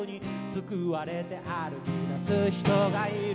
「救われて歩き出す人がいる」